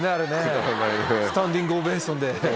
スタンディングオベーションで。